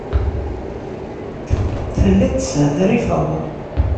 Telliḍ teshetrifeḍ.